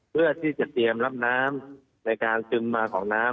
เพื่อที่จะเตรียมรับน้ำในการซึมมาของน้ำ